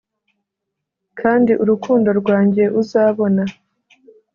kandi urukundo rwanjye uzabona